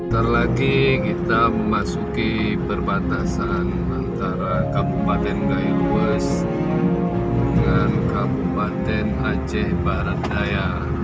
terlagi kita memasuki perbatasan antara kabupaten gailuwes dengan kabupaten aceh barat daya